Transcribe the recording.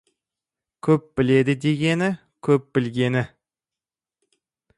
Көп біледі дегені — көп білгені.